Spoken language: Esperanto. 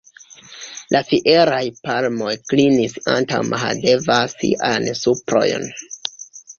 La fieraj palmoj klinis antaŭ Mahadeva siajn suprojn.